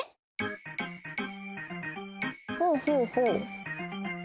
ほうほうほう。